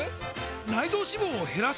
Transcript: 内臓脂肪を減らす！？